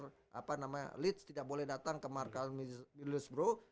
kemudian supporter apa namanya leeds tidak boleh datang ke markas middlesbrough